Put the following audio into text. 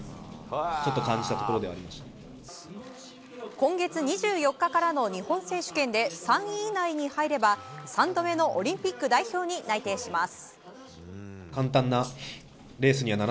今月２４日からの日本選手権で３位以内に入れば３度目のオリンピック代表に内定します。